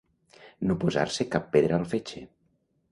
No posar-se cap pedra al fetge.